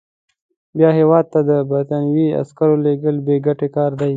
بیا هیواد ته د برټانوي عسکرو لېږل بې ګټې کار دی.